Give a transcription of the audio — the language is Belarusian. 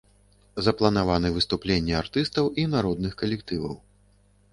Запланаваны выступленні артыстаў і народных калектываў.